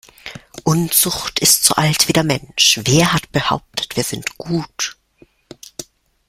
Unzucht ist so alt wie der Mensch - wer hat behauptet wir sind gut?